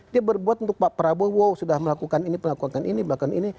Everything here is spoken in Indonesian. dia berbuat untuk pak prabowo sudah melakukan ini melakukan ini melakukan ini